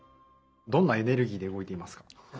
どんなエネルギ−でうごいていますか？